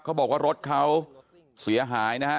เขาบอกว่ารถเขาเสียหายนะฮะ